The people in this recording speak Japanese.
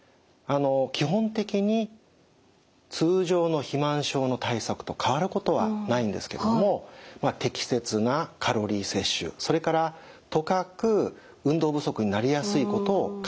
基本的に通常の肥満症の対策と変わることはないんですけれども適切なカロリー摂取それからとかく運動不足になりやすいことを解消する。